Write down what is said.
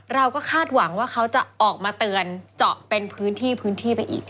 คาดหวังว่าเขาจะออกมาเตือนเจาะเป็นพื้นที่พื้นที่ไปอีก